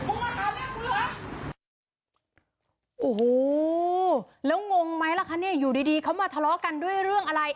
โอ้โหแล้วงงไหมล่ะคะเนี่ยอยู่ดีเขามาทะเลาะกันด้วยเรื่องอะไร